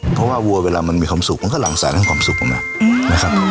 เพราะวัวเวลามันมีความสุขมันก็หลังสารให้ความสุขออกมา